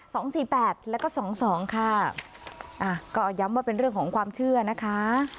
สองสี่แปดแล้วก็สองสองค่ะอ่าก็ย้ำว่าเป็นเรื่องของความเชื่อนะคะ